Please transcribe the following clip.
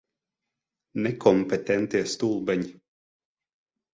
Nekompetentie stulbeņi.